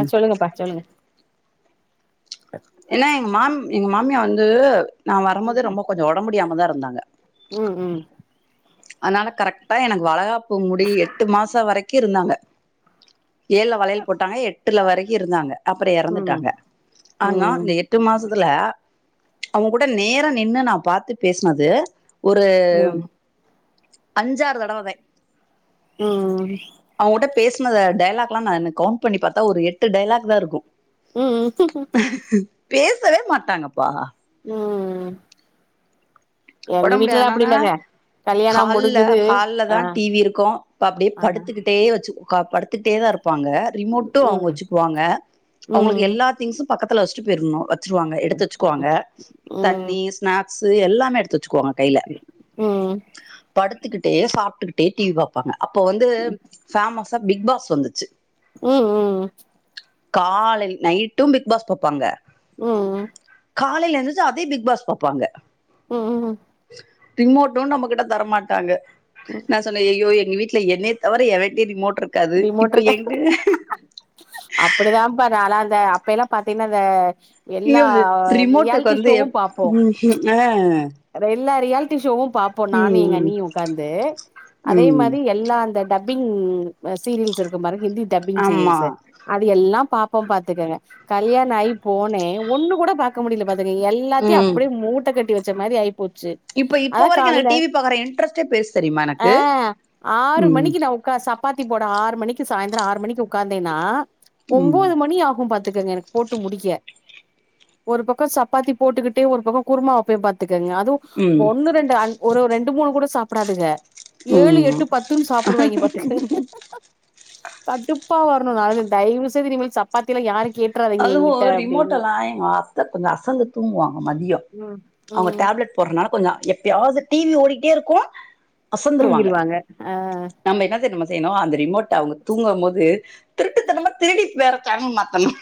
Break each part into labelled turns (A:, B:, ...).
A: அ சொல்லுங்கப்பா சொல்லுங்க
B: ஏன்னா எங்க மாம் எங்க மாமியா வந்து நா வரம்போது
A: ம்
B: ரொம்போ கொஞ்சோ ஒடம் முடியாமதா இருந்தாங்க
A: ம் ம்
B: அதனால கரெக்டா எனக்கு வளகாப் போ முடி எட்டு மாசோ வரைக்கு இருந்தாங்க ஏழுல வளையல் போட்டாங்க எட் எட்டுல வரைக்கு இருந்தாங்க அப்புறோ
A: ம்
B: எறந்துட்டாங்க ஆனா
A: ம்
B: இந்த எட்டு மாசத்துல அவுங்க கூட நேரா நின்னு நா பாத்து பேசுனது ஒரு
A: ம்
B: அஞ்சாறு தடவதே
A: ம்
B: பேசுனத டைலாக்லா நானு கவுண்ட் பண்ணி பாத்தா ஒரு எட்டு டைலாக்தா இருக்கு
A: ம்
B: பேசவே மாட்டாங்கப்பா
A: ம் எங்க
B: ஒடம் முடியாத
A: வீட்லலா
B: நால
A: அப்டி இல்லங்க கல்யாணம்
B: ஹால்ல
A: முடிஞ்சது
B: ஹால்தா
A: ஆ
B: டிவி இருக்கு இப்ப அப்டியே
A: ஆ
B: படுத்துக்கிட்டே வெச்சு க படுத் பத்துட்டேதா இருப் பாங்க ரிமோட்டு அவுங்க
A: ம்
B: வெச்சுக்குவாங்க அவங்களுக்கு
A: ம் ம்
B: எல்லா திங்க்ஸும் பக்கத் பக்கத்துல வெச்சுட்டு போயிருனு அக் வெச்சுருவாங்க எடுத்து
A: ம்
B: வெச்சுக்குவாங்க தண்ணி ஸ்நேக்ஸ் து எல்லாமே எடுத்து வெச் க்குவாங்க கைல
A: ம்
B: படுத்துக்கிட் அப்டியே சாப்டுக்கிட்டே டிவி பாப்பாங்க அப்போ வந்து ஃபேமோஸ் தா பிக் பாஸ் வந்துச்சு
A: ம் ம் ம்
B: காலைல் நைட்டும் பிக் பாஸ் பாப்பாங்க
A: உம்
B: காலையில எழுந்திருச்சி அதே பிக் பாஸ் பாப்பாங்க
A: ஹம் உம்
B: ரிமோட்டும் நம்மகிட்ட தரமாட்டாங்க நான் சொன்ன ஐயையோ எக்ஸ் என்க வீட்ல என்னைய தவற எவன்கிட்டயும் ரிமோட் இருக்க
A: ரிமோட் இருக்க அப்படிதான் பா அலர இந்த அப்பயேல்லாம் பார்த்திங்கன்னா அ
B: ஐயோ ரிமோட்டுக்கு வந்து
A: பாப்போ
B: எப்படி ஆஹ்
A: எல்லா ரியாலிட்டி ஷோவும் பார்ப்போம் நானும் எங்க அண்ணி உக்காந்து அதே
B: ம்
A: மாதிரியேல்லா அந்த டப் ம்ம் சிரிஸ் அந்த மாரி ஹிந்தி டப்பிங்
B: ஆமா
A: சீரியல்ஸ் அது எல்லாம் பார அப்போ பாத்துக்கங்க கல்யாண ஆயி போனே ஒண்ணு கூட பாகல இருக்க முடியல பாத்துகங்க எல்லாத்தையும்
B: ம்
A: அப்படியே மூட்டை கட்டி புடிச்சா மாதிரிஐ போச்சு
B: இப்ப இப்ப
A: அதான்
B: வரைக்கு எனக்கு
A: காலையில
B: டிவி பாக்குற இன்ட்ரெஸ்ட்டே போயிருச்சு தெரியுமா
A: ஆ
B: எனக்கு
A: ஆறு
B: ம்
A: மணிக்கு நான் உக்காந்து சாப் சப்பாத்தி போட ஆறு மணிக்கு சாயந்திரம் ஆறு மணிக்கு உட்கார்ந்தேனா
B: ம்
A: ஒம்போது மணி ஆகும் பாத்துக்கங்க எனக்கு போட்டு முடிக்க ஒரு பக்கம் சப்பாத்தி போட்டுக்கிட்டே ஒரு பக்கம் குருமா வப்பேன் பாத் எல்லாரும் அது
B: ம்
A: ஒன்னு ரெண்டு ஒரு ரெண்டு மூணு கூட சா டாதுங்க ஏழு
B: ம்
A: எட்டு பத்துன்னு சாப்புடுவாங்க பாத்துக கடுப்பாகும் தயவு செய்து இனிமேல் சப்பாத்தியலாம் யாருக்கும்
B: அதுவும் ரிமோட் எல்லாம் எங்க அத்தை கொஞ்ச அசந்து தூங்குவாங்க மதியோம்
A: ம்
B: அவங்க
A: ம்
B: டேப்லட் போறனா கொஞ்சம் எப்பையாவது டிவி ஓடிட்டே இருக்கும் அசந்துருவாங்க
A: தூங்கிருவாங்க அ
B: நம்ம என்ன தெரிமா செய்ணும் அந்த ரிமோட் அவங்க தூங்கும் போது திருட்டுத்தனமா திருடி வேற சேனல் மாத்தனும்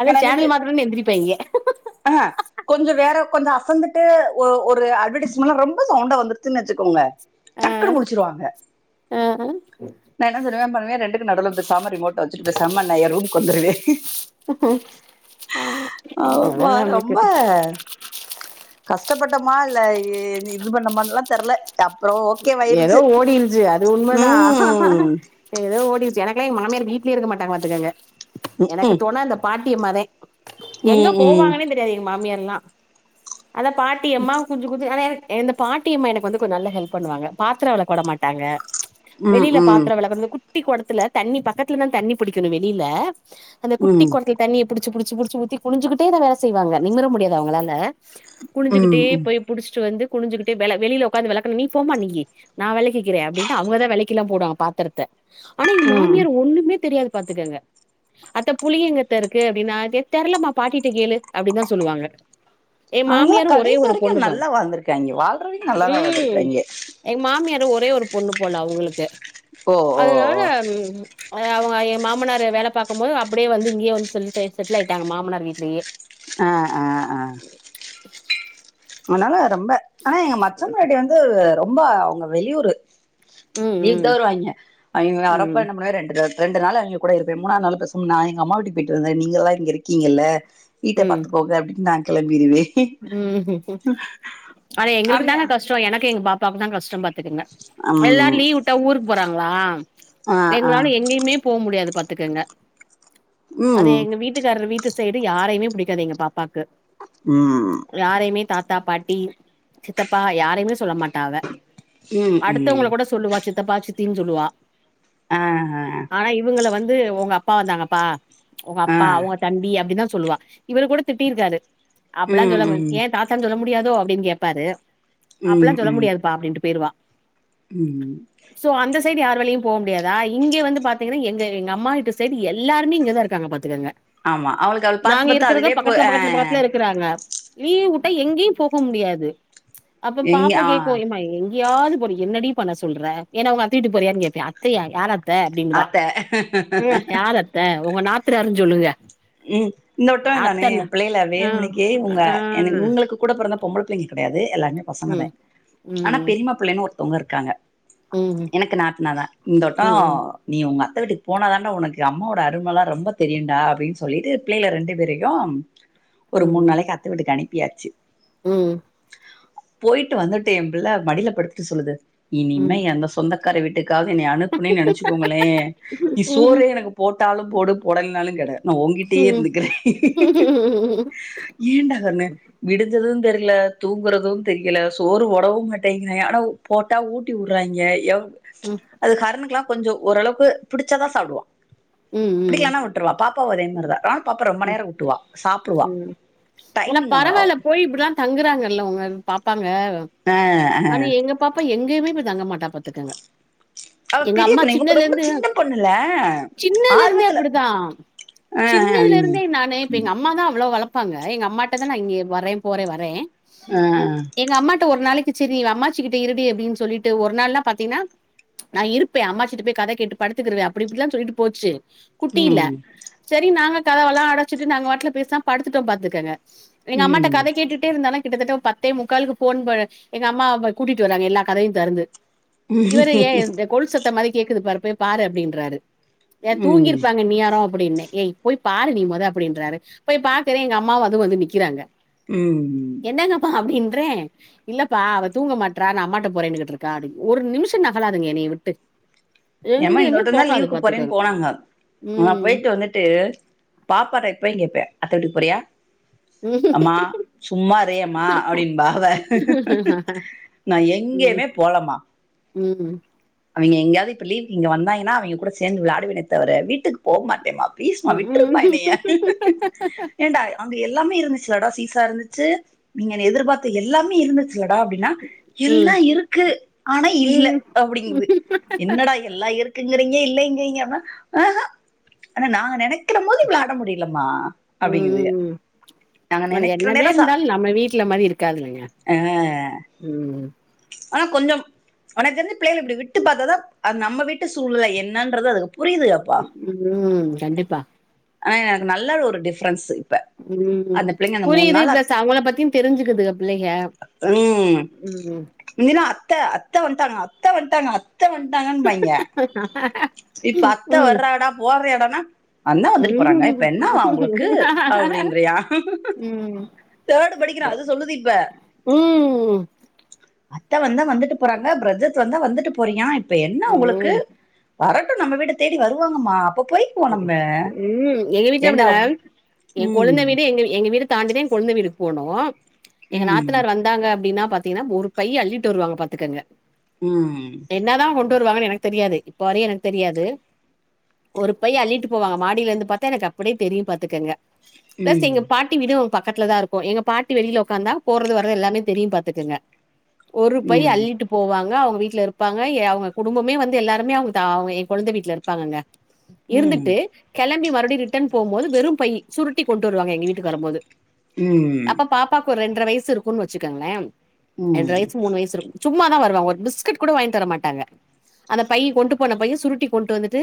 A: அதா
B: என்ன
A: சேனல் மாத்துறேன்னு எந்திரிப்பாய்ங்க
B: ஆ கொஞ்சம் வேற கொஞ்சம் அசந்து ஒரு அட்வர்டைஸ்மென்னா ரொம்ப சவுண்டா வந்துருச்சுன்னு வச்சுக்கோங்க
A: அ
B: டக்குனு முழிச்சிருவாங்க
A: அ
B: நா என்ன தெரியுமா பண்ணுவே ரெண்டுக்கு நடுவுல பேசாம ரிமோட்ட வச்சுட்டு பேசாம நா ஏ ரூமு வந்துருவே
A: அ
B: ஆ
A: அதா
B: பா
A: நம்மளுக்கு
B: ரொம்ப க கஷ்டப்பட்டமா இல்ல இ இது இது பண்ணமான்லா தெர்ல அப்றோ
A: எதோ
B: ஓகேவாயிருச்சு
A: ஓடிருச்சு அது உண்மதா
B: ம்
A: எதோ ஓடிரு ச்சு எனக்கல்லா எங்க மாமியார் வீட்லயே இருக்க மாட்டாங்க பாத்துக்கங்க எனக்கு
B: ம்ஹூம்
A: தொண இந்த பாட் டியம்மாதே எங்க
B: ம் ம்
A: போவாங்கன்னே தெரியாது எங்க மாமியார் எல்லா அதா பாட்டியம்மா கொஞ்ச கொஞ்ச ஆனா எனக் இந்த பாட்டியம்மா எனக்கு வந்து கொஞ்ச நல்ல ஹெல்ப் பண்ணுவாங்க பாத்ரோ வெளக்க விடமாட்டாங்க
B: ம்
A: வெளில
B: ம்
A: பாத்தரோ வெளக்குறது கு ட்டி கொடத்துல தண்ணி பக்கத்துலதா தண்ணி புடிக்கணு வெளில அந்த குட்டி
B: ம்
A: கொடத்துல தண்ணிய புடிச்சி‌ புடிச்சி புடிச்சி ஊத்தி குனிஞ்சுக்கிட்டேதா வேல செய்வாங்க நிமிர முடியாது அவங்களால குனிஞ்சுக்கிட்டே
B: ம்
A: போய்
B: ம்
A: புடிச்சிட்டு வந்து குனிஞ்சுக்கிட்டே வெள வெளில உக்காந்து வெளக்கனு நீ போம்மா நீயி நா வெளக்கிக்கிறே அப்டின்ட்டு அவங்கதா வெளக்கில்லா போடுவாங்க பாத்தரத்த ஆனா எங்க
B: ம்
A: மாமியார் ஒண்ணுமே தெரியாது பாத்துக்கங்க அத்த புளி எங்கத்த இருக்கு அப்டின்னா அது தெர்லமா பாட்டிட்ட கேளு அப்டின்தா சொல்லுவாங்க எ
B: அவய்ங்கல்லா
A: மாமியாரு ஒரே
B: கடைசி
A: ஒரு
B: வரைக்கு
A: பொண்ணு
B: நல்லா வாழ்ந்திருக்காய்ங்க வாழ்றவிங்க நல்லாதா வாழ்ந்திருக்காய்ங்க
A: எங் மாமியாரு ஒ ரே ஒரு பொண்ணு போல அவங்களுக்கு
B: ஓ ஓ ஓ
A: அதனால ம் ஆ அவங்க யேன் மாமனாரு வேல பாக்கும் போது அப்பிடியே வந்து இங்கயே வந்து சொல்ட்டு செட்டில் ஆயிட்டாங்க மாமனார் வீட்லயே
B: ஆ ஆ ஆ அதனால ரொம்ப ஆனா எங்க மச்சா பொண்டாட்டி வந்து ரொம்ப அவங்க வெளியூரு
A: ம்
B: லீவுக்கு
A: ம்
B: தான் வருவாங்கய அவிங்க
A: ம்
B: வறப்ப நம்மள ரெண்டு ரெண்டு நாள் அவங்க கூட இருப்பேன் மூணாது நாள் பேசாம நான் எங்க அம்மா வீட்டுக்கு போயிட்டு வந்தரன் நீங்களான் இங்க இருக்கீங்கல்ல வீட்ட பாத்துக்கோங்க அப்படின்னு தா கெளம்பிருவேன்
A: உம் உம் ஆனா எங்களுக்கு
B: அவிங்க
A: தாங்க கஷ்டம் எனக்கு எங்க பாப்பா பாக்கதான் கஷ்டம் பா இருக்குங்க
B: ம்
A: எல்லாரும் லீவு வுட்டா ஊருக்கு போறாங்க ங்களா
B: ஆ ஆ
A: எங்களால எங்கேயுமே போக முடியாது இப்ப எத்துக்குங்க அதே
B: ம் ம்
A: எங்க வீட்டுக்காரர் வீட்டு சைடு யாரயுமே புடிக்காது எங்க பாப்பாக்கு
B: ம்
A: யாரையுமே தாத்தா பாட்டி சித்தி சித்தப்பா யாரையுமே சொல்ல மாட்டாவ அடுத்தவங்கள
B: ம்
A: கூட சொல்லுவா சித்தபா சித்த தி னுஞ்சொல்லுவா
B: ஆஹ் ஆஹ்
A: வந்து உங்க அப்பா வந்தாங்கப்பா உங்க
B: ஆ
A: அப்பா உங்க தம்பி அப்படிதான் சொல்லுவா இவரு கூட திட்டிருக்காரு
B: ம்
A: சொல்ல
B: ம் ம்
A: முடியாது ஏன் தாத்தானு சொல்ல முடியாதோ அப்டின்னு கேப்பாரு அப்பல்லாம் சொல்ல
B: ம்
A: முடியாதுப்பா அப்படின்னுட்டு போயிருவா
B: ம்
A: சோ அந்த சைடு யார் வழியும் போக முடியாதா இங்க வந்து பாத்தீங்கன்னா எங்க எங்க அம்மா வீட்டு சைடு எல்லாருமே இங்கதான் இருக்காங்க பாத்துக்கங்க
B: ஆமா அவளுக்கு அவள் பாத்து
A: நாங்க
B: பாத்து அதுவே போ ஆஹ்
A: லிவுவிட்டா எங்கேயும் போக முடியாது அப்ப
B: எங்க
A: பாப்பா
B: ஆ
A: கேட்கும் எம்மா தியாது பொருக்கி என்னடி பண்ண சொல்ற நீ என்ன உங்க அத்த வீட்டுக்குன் போறியான் கேப்பே அத்தையா யாரத் த்த அப்டின்னுவா
B: அத்த
A: ம் அத்த யாரத்த உங்க நாத்தனாருன் சொல்லுங்க
B: ம் இந்த வட்டோ என்னானு
A: அத்தன
B: பிள்ளைகள
A: ஆ
B: வேர்மணிக்கே உங்க
A: ஆ
B: எனக்கு உங்களுக்கு கூடப் பொறந் ந்த பொம்பள புள்ளைங்க கெடையாது எல்லாருமே பசங்கதே
A: ம்
B: ஆனா
A: ம்
B: பெரிம்மா புள்ளைன் ஒருத் ஒருத்தவங்க இருக்காங்க
A: ம் ம்
B: எனக்கு நாத்தனாதா இந்தோட்டோ
A: ம் ம்
B: நீ உங்க அத் அத்த வீட்டுக்கு போனாதான்டா உனக்கு அம்மாவோட அருமளா ரொம்ப தெரியுன்டா அப்டின்ஸ் சொல்லிட்டு பிள்ளைகள ரெண்டு பேரையும் ஒரு மூண்
A: ம்
B: நாளைக்கு அத்த வீட்டுக்கு அனிப் பியாச்சு
A: ம்
B: போயிட்டு வந்துட்டு எம் புள்ள மடில படுத்துட்டு சொல்லுது இனிமே
A: ம்
B: எந்த சொந்தக் காரி வீட்டுக் எங்காவது என்னைய அனுப்புனின் நெனச்சுக்கோங்களே நீ சோறே
A: ம்
B: எனக்கு போட்டாலும் போடு போடலினாலும் கடு நா ஊங்கிட்டியே இருந்துக்குற ஏன்டா கன்னு விடுஞ்சதும் தெரில தூங்குறதும் தெரியல சோறு போடவும் மாட்டேங்கிறாங்க ஆனா போட்டா ஊட்டி உடுறாங்கே எவ்
A: ம்
B: அது கர்ணுக்கெல்லா கொஞ்சோ ஓரளவுக்கு புடுச்சதா சாப்புடுவோ புடிக்கலன்னா
A: ம்
B: விட்டுருவா பாப் பா மாரிதா நானு பாப்பா ரொம்ப நேரோ ஊட்டுவா சாப்புடுவா
A: ம்
B: டைமிங் அவ்
A: தங்குறாங்கங்கள்ல அவுங்க ங்க பாப்பாங்க
B: அஹ்
A: ஆனா எங்க பாப்பா எங் எங்கயுமே போய் தங்க மாட்டா பாத்துக்கங்க
B: அவ
A: எங்க
B: பெரிய
A: அம்மா
B: பொண்ணு இவக்கு
A: சின்னதுல
B: ரொம்ப
A: இருந்து
B: சின்ன பொண்ணுல
A: சின்னதுல இருந்தே
B: ஆர்வத்துல
A: அப்புடித்தா சின்னதுல
B: அஹ்
A: இருந்தே நானு இப்ப எங்க அம்மாதா அவ்ளோ வளப் வளப்பாங்க எங்க அம்மாட்டதா நா இங்கே வரேம் போறே வரே ம்
B: அஹ்
A: எங்க அம்மாட்ட ஒரு நாளிக்கு செரி இவ அம்மாச்சி கிட்ட இருடி அப்டின் சொல்லிட்டு ஒரு நாள்னா பாத்தீங்கின்னா நான் இருப்பேன் அம்மாகிட்ட போய் கத கேட்டு படுத்துக்குருவன் அப்டிலா இப்டிலா சொல்லிட்டு போச்சி குட்டியில
B: உம்
A: சரி நாங்க கதவெல்லா அடச்சிட்டு நாங்க வாட்ல பேசாம படுத்துட்டோம் பாத்துகங்க எங்க அம்மாட்ட
B: உம்
A: கத கேட்டுட்டே இருந்தாலா கிட்டத்தட்ட ஒரு பத்தே முக்காலுக்கு ஃபோன் ப எங்க அம்மாவ போய் கூட்டிட்டு வராங்க எல்லா கதவயும் தெறந்து இவரு ஏ அந்த கொளுசு அத்த மாரி கேக்குது பாரு போய் பாரு அப்டின்றாரு ஏ
B: உம்
A: தூங்கிருப்பாங்க இன்னியாரம் அப் அப்டின்ன ஏய் போய் பாரு நீ மொத அப்டின்றாரு போய் பாக்குறே எங்க அம்மாவு வந்து வந்து நிக்கிறாங்க
B: உம்
A: என்னங்கப்பா அப்டின்னு ட்ரேன் இல்லப்பா அவ தூங்க மாட்றா நா அம்மாட்ட போறேன்னுகிட்டு இருக்கா அப்டி ஒரு நிமிஷம் நகலாதுங்க என்னய விட்டு
B: ஏம்மா
A: எங்கேயுமே
B: இன்னொருத்த தான்
A: போகாது
B: லீவுக்கு
A: பாத்துக்கங்க
B: போறேன்னு போ போனாங்க நா
A: ம்
B: போயிட்டு வந்துட்டு பாப்பாட்ட போயி கேப்பன் அத்த வீட்டுக்கு போறியா
A: ம் ம்
B: அம்மா சும்மா இரே அம்மா அப்டிம்பா அவ நான் எங்கேயுமே போலமா
A: ம்
B: அவங்க எங்கையாவது இப்ப லீவுக்கு இங்க வந்தாங்கன்னா அவிங்க கூட சேந்து விளாடுவேனேத்தவர வீட்டுக்கு போக மாட்டேம்மா ப்லீஸ்மா விட்டுரும்மா என்னைய ஏன்டா அங்க எல்லாமே இருந்துச்சி லடா சீசா இருந்துச்சி நீங்கள் எதிர்பாத்த எல்லாமே இருந்துச் பொடா அப்டினா
A: ம் ம்
B: எல்லா இருக்கு ஆனா இல்ல
A: ம்
B: அப்டிங்கிது என்னடா எல்லா இருக்குங்கிறீங்க இல்லங்கிறீங்க ஆஹா ஆனா நா நெனக்கிற மோது விளாட முடிலமா
A: ம் அது
B: நெனைக்கிற
A: என்னதே
B: நேரோ சா
A: இருந்தாலும் நம்ம வீட்ல மாரி இருக்காதுலிங்களா
B: அ
A: ம்
B: ஆனா கொஞ்சம் ஒனக்கென்ன பிள்ளைகல இப்டி விட் டு பாத்தாதா அது நம்ம வீட்டு சூழ்நெலை என்னன்றது அதுக்கு புரியுதுகப்பா
A: ம் கண்டிப்பா
B: ஆ எனக்கு நல்ல ஒரு டிஃப்ரன்ஸு
A: ம் புரியிது பிளஸ் அவங்கள பத்தியு தெரிஞ்சிக்கிதுங்க பிள்ளைங்க ம்
B: த அத்த அத்த வன்டாங்க அத்த வன்டாங்க த வன்டாங்கன்னு வைங்க இப்ப அத்த வர்ற டா போட்றியா டா நா வந்தா
A: ம்
B: வந்துட்டு
A: ம்
B: போறாங்க இப்ப என்னாவா அவுங்களுக்கு அப்பிடின்றியா தேர்டு படிக்கிறா அது சொல்துது இப்ப
A: ம்
B: அத்த வந்தா வந்துட்டு போறாங்க பிரதர்ஸ் வந்தா வந்துட்டு போறியான் ப என்ன உங்களுக்கு
A: ம்
B: வர டு நம்ம வீட தேடி வருவாங்கம்மா அப்ப போய்க்குவோ நம்ம
A: ம் எங்க வீட்ல
B: ஏண்டா
A: அப்டிதாங்க ஏங் கொழுந்தேன்
B: ம்
A: வீடு எங்க எங்க வீடு தாண்டிதேன் கொழுந்தேன் வீட்டுக்கு போனு எங்க
B: ம்
A: நாத்தனார் வந்தாங்க அப்டின்னா பாத்தீங்கன்னா ஒரு பை அள்ளிட்டு வருவாங்க பாத்துக்கங்க
B: ம்
A: ட்டு வருவாங்கு எனக்கு தெரியாது இப்ப வரையும் எனக்கு தெரியாது ஒரு பைய் அள்ளிட்டு போவாங்க மாடில இருந்து பாத்தா எனக்கு அப்டியே தெரியும் பாத்துக்கங்க பிளஸ்
B: ம்
A: எங்க பாட்டி வீடும் பக்கத்துல தா இருக்கும் எங்க பாட்டி வெளில ஒக்காந்தா போறது வரது எல்லாமே தெரியும் பாத்துக்கங்க ஒரு பைய்
B: ம்
A: அள்ளிட்டு போவாங்க அவுங் வீட்ல இருப்பாங்க அவுங்க குடும்பமே வந்து எல்லாருமே அவங்க ஏங் கொழுந்தேன் வீட்ல இருப்பாங்கங்க
B: ம்
A: இருந்துட்டு கெளம்பி மர் மறுடி ரிட்டன் போம் போது வெறும் பைய் சுருட்டி கொண்டு வருவங்க எங்க வீட்டுக்கு வரம்போது
B: ம்
A: ஒரு ரெண்டரை வயிசு இருக்குன் வச்சுக்கங்ளேன் ரெண்டர வயிசு மூணு வயிசு இருக் சும்மாதான் வருவாங்க ஒரு பிஸ்கட் கூட வாங்கி வர மாட்டாங்க அந்த பைய் கொண்டு போன பைய சுருட்டி கொண்டு வந்துட்டு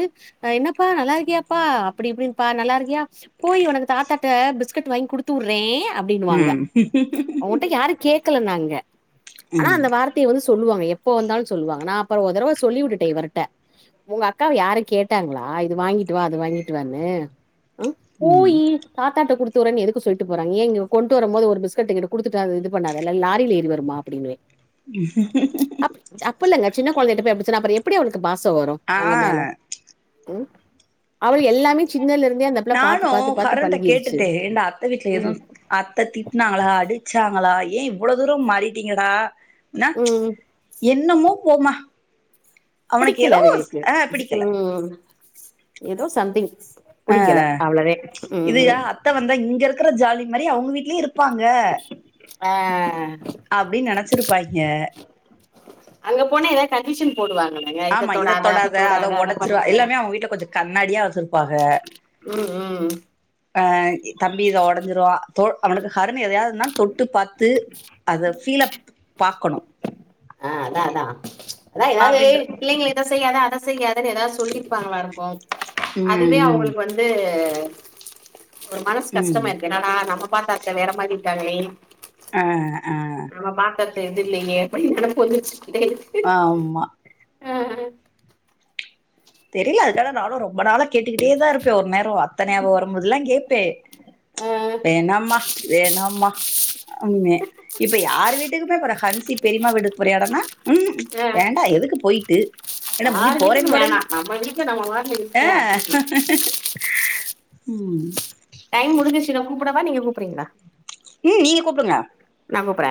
A: என்ன பா நல்லாருக்கியாப்பா அப்டி இப்டின் பா நல்லாருக்கியா போய் ஒனக்கு தாத்தாட்ட பிஸ்கட் வாங்கி குடுத்துறேன் அப்பிடின்னு வாங்க
B: ம் ம்
A: அவுங்கட்ட யாரு கேட் கல நாங்க ஆனா
B: ம்
A: அந்த வார்த்தைய வந்து சொ சொல்லுவாங்க எப்ப வந்தாலும் சொல்லுவாங்க நான் அப்பறம் ஒரு தடவை சொல்லி விட்டேன் இவரு கிட்ட உங்க அக்காவ யாரும் கேட்டாங்களா ஆ இது வாங்கிட்டு வா அது வாங்கிட்டு வான்னு அ
B: ம்
A: போய் தாத்தாட்ட குடுத் போறேன்னு எதுக்கு சொல்லிட்டு போறாங்க ஏன் கொண்ட்டு வரும்போது ஒரு பிஸ்கட் குடுத்துட்டு அது இது பண்ணாதுல்ல லாரில ஏறி வருமா அப்படின்னேன்
B: உ
A: இல்லங்க சின்ன கொழந்தை கிட்ட அப்படி சொன்னா அவளுக்கு எப்படி பா சமா வரும் உங்க
B: ஆ
A: மேல ம் அவள் எல்லாமே சி
B: நானும் கரண்ட்ட கேட்டுட்டு ஏன்டா அத்தை வீட்டுல
A: ம்
B: ஏதும் அத்தை திட்டினாங்களா அடிச்சாங்களா ஏன் இவ்வளோ தூரம் மாறிட்டீங்கடா ன்னா
A: ம்
B: என் என்னமோ போமா அவனுக்கு
A: புடிக்கல
B: ஏதோ
A: அதுகளுக்கு
B: ஆ பிடிக்கல
A: ம் ஏதோ சம்திங்
B: அ
A: புடிக்கல அவ்ளவே
B: இதுக
A: ம்
B: அத்தை வந்தா இங்க இருக்கிற ஜாலி மாரி அவுங்க வீட் லயும் இருப்பாங்க
A: ஆ ஆ ஆ
B: அப்டின்னு நெனைச்சிருப்பாங்கே
A: அங்க போனா ஏதாவது கண்டிஷன் போடுவாங்
B: ஆமா இத தொடாத அத உடைச்சிருவ
A: பண்ணாத
B: எல்லாமே அவுங்க வீட்டுல கொஞ்சம் கண்ணாடியா வச்சிருப்பாங்க
A: ம் ம்
B: ஆ தம்பி இது உடைஞ்சிரும் தோ அவனுக்கு கரண்ணு எதையாவதுன்னா தொட்டு பார்த்து அதை பீல் பாக்கணும்
A: ஆ அதான் அதான் அதான் ஏதாவது
B: அப்டின்ற
A: பிள்ளைகள இத செய்யாத அத செய்யாததுன்னு ஏதாவது சொல்லியிருப்பாங்களா இருக்கும் அதுவே
B: ம் ம்
A: அவுங்களுக்கு வந்து ஒரு மனசு
B: ம்
A: கஷ்டமா இருக்கு என்னா நமக் பாத்தா அத்தை வேற மாதிரி இருக்காங்களே
B: ஆ ஆ
A: [unintelligible] தெரிலயே [inaudible]
B: ஆம்மா
A: அ
B: தெரில அதுக்கான நாளு ரொம்ப நாளா கேட்டுக்கிட்டே தா இருப்பே ஒரு நேரோ அத்தனையாவ வரும்போதெல்லா கேப்பே
A: ஆ ஆ
B: வேணாம்மா வேணாம்மா ம்மே இப்ப யாரு வீட்டுக்குமே போறா ஹன்சி பெரிம்மா வீட்டுக்கு போறியாடானா ம்ஹூம் வேண்டா எதுக்கு போயிட்டு என்ன முன்னி
A: யார்
B: போறேம்
A: வீட்டுக்கு வேணா
B: போறேன்னு
A: நம்ம வீட்ல நம்ம பாட்டுல
B: ஆ
A: இருப்போ அப்டின்னு
B: ம்
A: டைம் முடுஞ்சுருச்சு நா கூப்புடவா நீங்க கூப்புறீங்களா
B: ம் நீங்க கூப்புடுங்க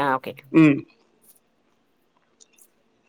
A: ஆ ஓகே
B: ம்